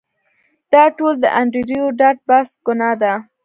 دا ټول د انډریو ډاټ باس ګناه ده